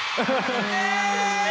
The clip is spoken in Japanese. え！